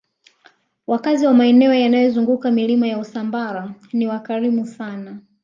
wakazi wa maeneo yanayozunguka milima ya usambara ni wakarimu sana